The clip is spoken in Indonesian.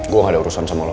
gua gak ada urusan sama lo